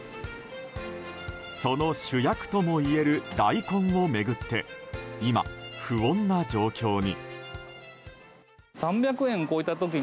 その主役ともいえる大根を巡って今、不穏な状況に。